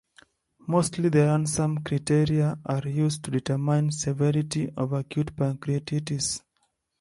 Mostly the Ranson Criteria are used to determine severity of acute pancreatitis.